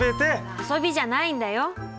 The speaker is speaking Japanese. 遊びじゃないんだよ！